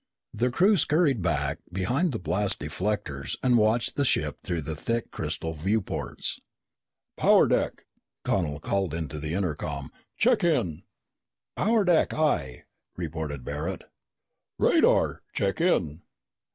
The crew scurried back behind the blast deflectors and watched the ship through the thick crystal viewports. "Power deck," Connel called into the intercom, "check in!" "Power deck, aye!" reported Barret. "Radar deck, check in!"